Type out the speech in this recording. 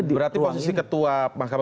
ruang ini berarti posisi ketua mahkamah